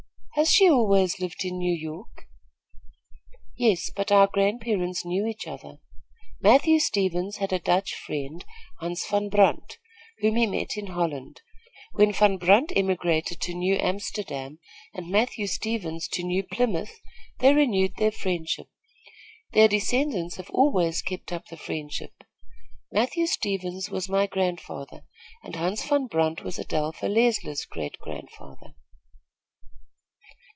"Has she always lived in New York?" "Yes; but our grandparents knew each other. Matthew Stevens had a Dutch friend, Hans Van Brunt, whom he met in Holland. When Van Brunt emigrated to New Amsterdam and Matthew Stevens to New Plymouth they renewed their friendship. Their descendants have always kept up the friendship. Matthew Stevens was my grandfather, and Hans Van Brunt was Adelpha Leisler's great grandfather.